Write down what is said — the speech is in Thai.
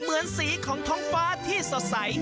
เหมือนสีของท้องฟ้าที่สดใส